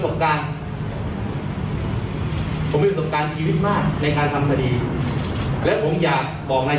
บอกไหนฉันนั้นโตลกในความเป็นทนัย